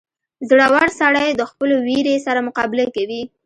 • زړور سړی د خپلو وېرې سره مقابله کوي.